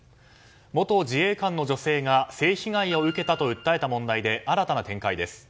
元自衛官の女性が性被害を受けたと訴えた問題で新たな展開です。